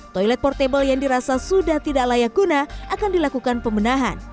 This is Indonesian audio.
toilet portable yang dirasa sudah tidak layak guna akan dilakukan pemenahan